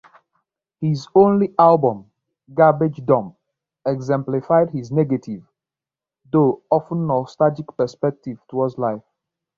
His only album, "Garbage Dump", exemplified his negative, though often nostalgic perspective toward life.